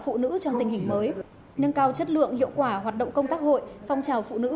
phụ nữ trong tình hình mới nâng cao chất lượng hiệu quả hoạt động công tác hội phong trào phụ nữ